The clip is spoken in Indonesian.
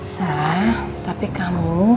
sah tapi kamu